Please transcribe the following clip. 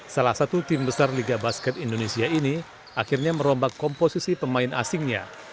salah satu tim besar liga basket indonesia ini akhirnya merombak komposisi pemain asingnya